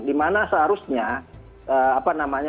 di mana seharusnya apa namanya